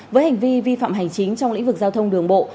với hành vi vi phạm hành chính trong lĩnh vực giao thông đường bộ